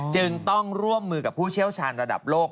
จึงต้องร่วมมือกับผู้เชี่ยวชาญระดับโลก